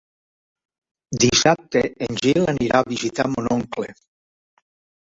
Dissabte en Gil anirà a visitar mon oncle.